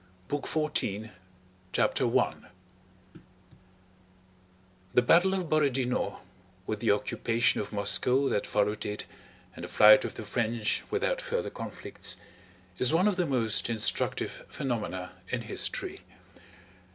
BOOK FOURTEEN: 1812 CHAPTER I The Battle of Borodinó, with the occupation of Moscow that followed it and the flight of the French without further conflicts, is one of the most instructive phenomena in history.